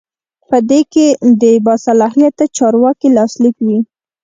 په دې کې د باصلاحیته چارواکي لاسلیک وي.